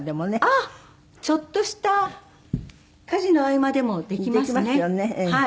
あっちょっとした家事の合間でもできますね。